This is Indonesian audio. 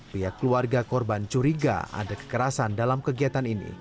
pihak keluarga korban curiga ada kekerasan dalam kegiatan ini